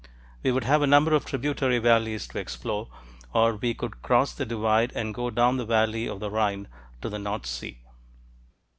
We would have a number of tributary valleys to explore, or we could cross the divide and go down the valley of the Rhine to the North Sea.